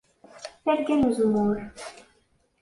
Targa n uzemmur.